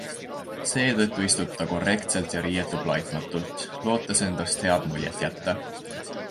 Seetõttu istub ta korrektselt ja riietub laitmatult, lootes endast head muljet jätta.